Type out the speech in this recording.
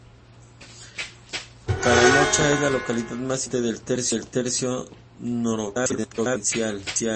Calamocha es la localidad más importante del tercio noroccidental provincial.